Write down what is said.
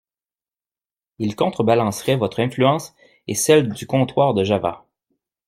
Il contrebalancerait votre influence et celle du comptoir de Java.